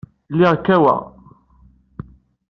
Lliɣ kkaweɣ.